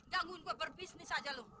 gangguin gue berbisnis aja lu